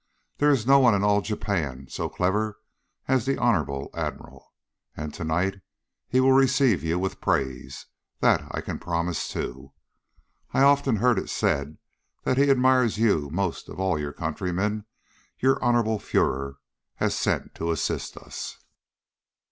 There is no one in all Japan so clever as the Honorable Admiral. And tonight he will receive you with praise. That I can promise, too. I have often heard it said that he admires you most of all your countrymen your Honorable Fuehrer has sent to assist us."